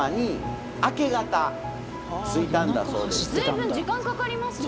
随分時間かかりますね。